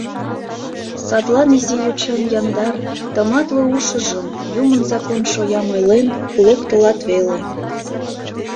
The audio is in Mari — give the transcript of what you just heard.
Садлан изи йочан яндар, тыматле ушыжым, юмын закон шоям ойлен, локтылат веле.